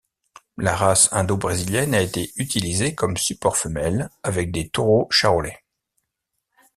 La race indo-brésilienne a été utilisée comme support femelle avec des taureaux charolais.